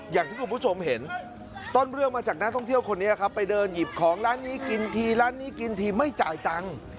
อย่างที่คุณผู้ชมเห็นต้นเรื่องมาจากนักท่องเที่ยวคนนี้ครับไปเดินหยิบของร้านนี้กินทีร้านนี้กินทีไม่จ่ายตังค์